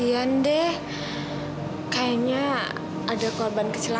lord jiwa bahkan terpakai dada